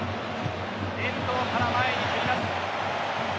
遠藤が前に蹴ります。